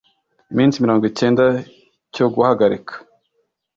iminsi mirongo icyenda cyo guhagarika